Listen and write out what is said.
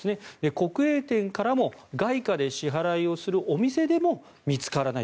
国営店からも外貨で支払いをするお店でも見つからない。